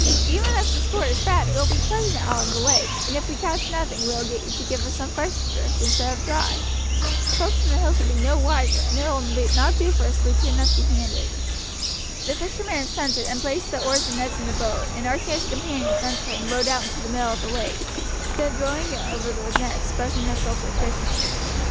Even if the sport is bad it will be pleasant out on the lake, and if we catch nothing we will get you to give us some fresh fish instead of dry. The folks in the hills will be no wiser, and it will not do for us to return empty handed." The fisherman assented, and placed the oars and nets in the boat, and Archie and his companions entering rowed out into the middle of the lake, and then throwing over the nets busied themselves with fishing.